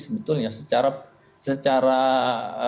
sebetulnya secara medis kita tidak menginginkan orang menjaga keadaan